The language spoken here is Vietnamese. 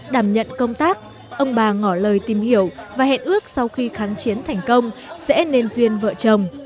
đảm nhận công tác ông bà ngỏ lời tìm hiểu và hẹn ước sau khi kháng chiến thành công sẽ nên duyên vợ chồng